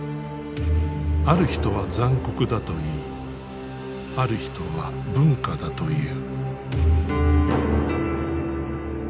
ある人は残酷だといいある人は文化だという。